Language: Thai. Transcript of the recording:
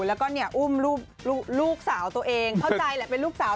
แล้วก็เนี่ยอุ้มลูกสาวตัวเองเข้าใจแหละเป็นลูกสาว